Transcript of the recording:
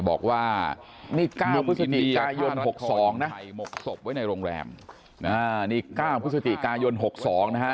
บอกว่านี่ก้าวพฤษฎีกายน๖๒นะนี่ก้าวพฤษฎีกายน๖๒นะฮะ